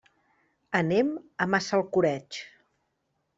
Anem a Massalcoreig.